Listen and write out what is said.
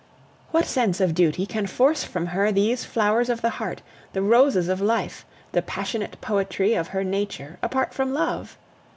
What sense of duty can force from her these flowers of the heart, the roses of life, the passionate poetry of her nature, apart from love?